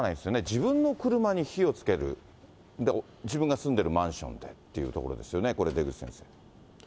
自分の車に火をつける、自分が住んでいるマンションでというところですよね、これ、出口先生。